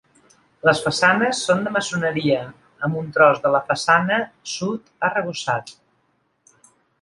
Les façanes són de maçoneria, amb un tros de la façana sud arrebossat.